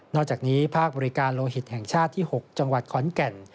อกจากนี้ภาคบริการโลหิตแห่งชาติที่๖จังหวัดขอนแก่น